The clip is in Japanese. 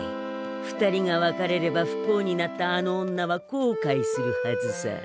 ２人が別れれば不幸になったあの女はこうかいするはずさ。